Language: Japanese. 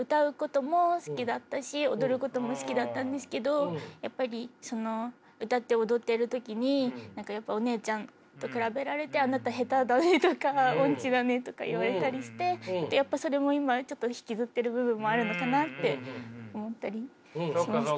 昔はやっぱりその歌って踊ってる時に何かやっぱお姉ちゃんと比べられてあなた下手だねとか音痴だねとか言われたりしてやっぱそれも今ちょっと引きずってる部分もあるのかなって思ったりしました。